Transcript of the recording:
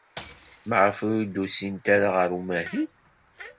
Maɣef ur d-usint ara ɣer umahil?